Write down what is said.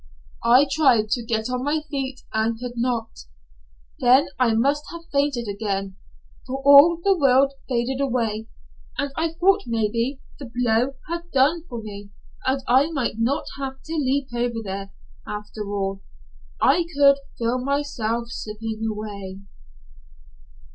I tried to get on my feet and could not. Then I must have fainted again, for all the world faded away, and I thought maybe the blow had done for me and I might not have to leap over there, after all. I could feel myself slipping away.